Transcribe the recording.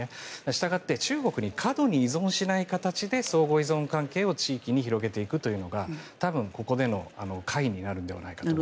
したがって中国に過度に依存しない形で相互依存関係を地域に広げていくというのが多分ここでの解になるのではないかと。